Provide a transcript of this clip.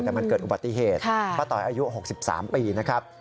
แต่มันเกิดอุบัติเหตุป้าต๋อยอายุ๖๓ปีนะครับ